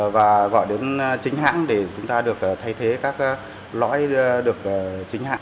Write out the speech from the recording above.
và gọi đến chính hãng để chúng ta được thay thế các lõi được chính hãng